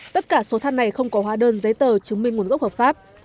tất cả số than này không có hóa đơn giấy tờ chứng minh nguồn gốc hợp pháp